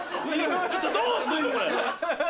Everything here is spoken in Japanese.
どうすんのこれ。